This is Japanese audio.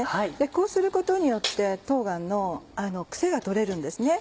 こうすることによって冬瓜の癖が取れるんですね。